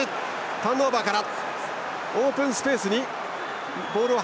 ターンオーバーから。